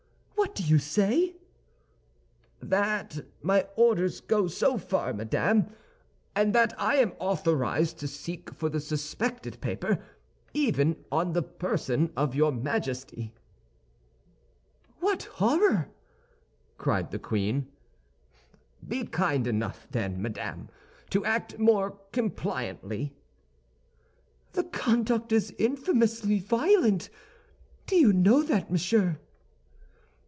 What do you say?" "That my orders go far, madame; and that I am authorized to seek for the suspected paper, even on the person of your Majesty." "What horror!" cried the queen. "Be kind enough, then, madame, to act more compliantly." "The conduct is infamously violent! Do you know that, monsieur?"